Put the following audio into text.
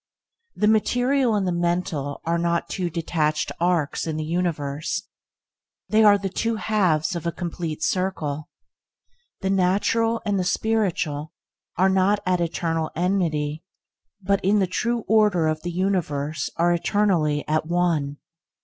The material and the mental are not two detached arcs in the universe, they are the two halves of a complete circle. The natural and the spiritual are not at eternal enmity, but in the true order of the universe are eternally at one.